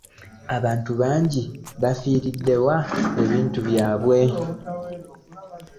Abantu bangi bafiiridde wa ebintu byaabwe.